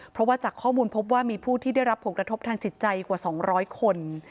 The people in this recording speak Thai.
เพราะว่าจากข้อมูลพบว่ามีผู้ที่ได้รับผลกระทบทางจิตใจกว่า๒๐๐คน